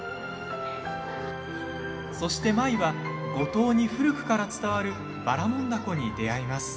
そして舞は五島に古くから伝わるばらもん凧に出会います。